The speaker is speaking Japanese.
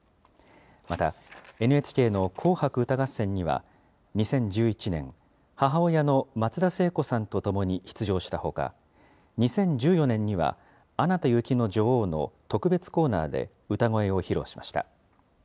またＮＨＫの紅白歌合戦には、２０１１年、母親の松田聖子さんと共に出場したほか、２０１４年には、アナと雪の女王の特別コーナーで歌声を披露しました。